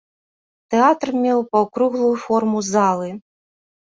Тэатр меў паўкруглую форму залы.